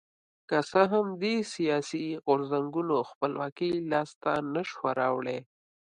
که څه هم دې سیاسي غورځنګونو خپلواکي لاسته نه شوه راوړی.